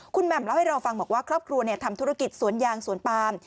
คุณแหม่มเล่าให้เราฟังบอกว่าครอบครัวทำธุรกิจสวนยางสวนปาม